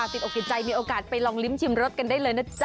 ติดอกติดใจมีโอกาสไปลองลิ้มชิมรสกันได้เลยนะจ๊